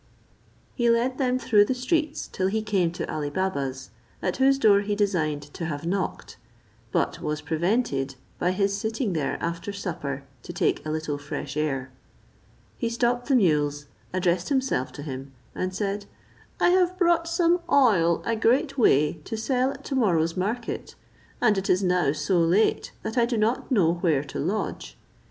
He led them through the streets till he came to Ali Baba's, at whose door he designed to have knocked; but was prevented by his sitting there after supper to take a little fresh air. He stopped his mules, addressed himself to him, and said, "I have brought some oil a great way, to sell at to morrow's market; and it is now so late that I do not know where to lodge.